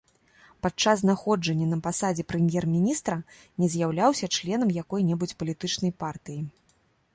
Падчас знаходжання на пасадзе прэм'ер-міністра не з'яўляўся членам якой-небудзь палітычнай партыі.